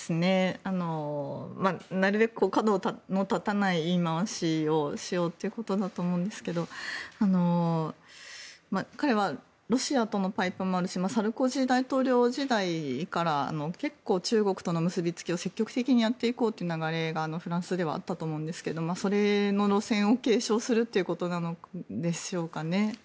なるべく角の立たない言い回しをしようということだと思いますが彼はロシアとのパイプもあるしサルコジ大統領時代から結構、中国との結びつきを積極的にやっていこうという流れがフランスではあった思うんですがその路線を継承するということなんでしょうかね。